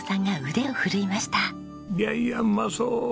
いやいやうまそう！